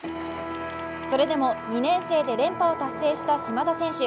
それでも２年生で連覇を達成した島田選手。